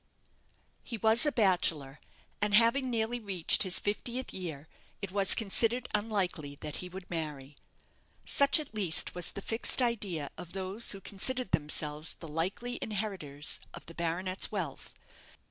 He was a bachelor, and having nearly reached his fiftieth year it was considered unlikely that he would marry. Such at least was the fixed idea of those who considered themselves the likely inheritors of the baronet's wealth.